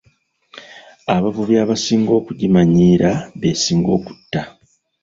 Abavubi abasinga okugimanyiira b'esinga okutta.